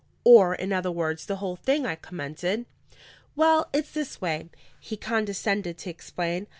"Or, in other words, the whole thing?" I commented. "Well, it's this way," he condescended to explain.